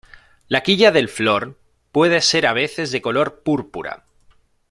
La quilla del flor puede ser a veces de color púrpura.